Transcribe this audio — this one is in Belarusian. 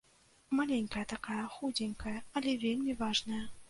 Маленькая такая, худзенькая, але вельмі важная.